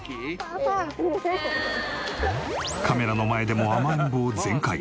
カメラの前でも甘えん坊全開！